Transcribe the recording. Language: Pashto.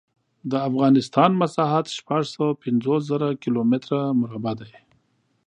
د افغانستان مسحت شپږ سوه پنځوس زره کیلو متره مربع دی.